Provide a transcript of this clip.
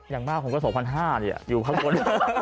อย่างมากผมก็ส่งควัน๕อยู่ข้างบน